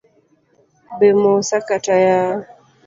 Bemosa kata yawa.